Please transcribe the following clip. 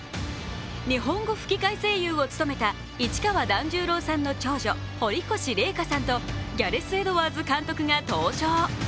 日本語吹き替え俳優を務めた市川團十郎さんの長女、堀越麗禾さんとギャレス・エドワーズ監督が登場。